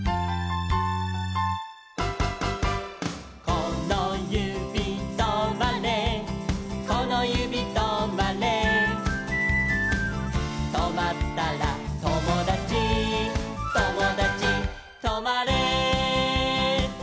「このゆびとまれこのゆびとまれ」「とまったらともだちともだちとまれ」